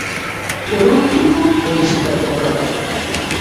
Por último o historiador.